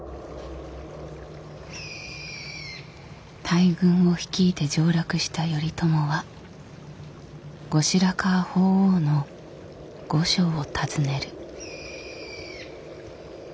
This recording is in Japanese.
大軍を率いて上洛した頼朝は後白河法皇の御所を訪ねる。